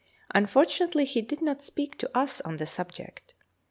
Unfortunately, he did not speak to us on the subject.